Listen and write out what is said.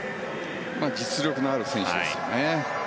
実力のある選手ですよね。